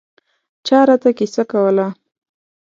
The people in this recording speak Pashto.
چا راته کیسه کوله.